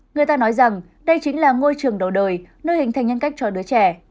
người ta nói rằng đây chính là ngôi trường đầu đời nơi hình thành nhân cách cho đứa trẻ